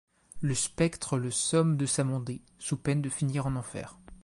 Le spectre le somme de s'amender sous peine de finir en enfer.